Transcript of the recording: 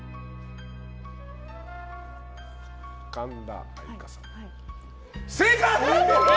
神田愛花さん、正解！